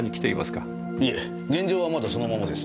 いえ現場はまだそのままです。